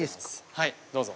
はいどうぞ。